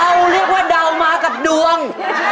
เรียกว่าดาวมากับดวง